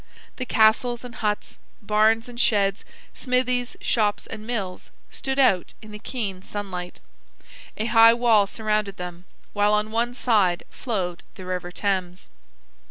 The castles and huts, barns and sheds, smithies, shops and mills, stood out in the keen sunlight. A high wall surrounded them, while on one side flowed the river Thames.